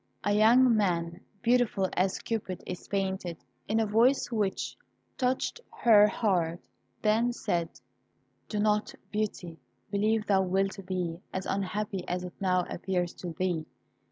A young man, beautiful as Cupid is painted, in a voice which touched her heart, then said "Do not, Beauty, believe thou wilt be as unhappy as it now appears to thee.